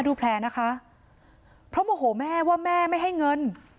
ดูแผลนะคะเพราะโมโหแม่ว่าแม่ไม่ให้เงิน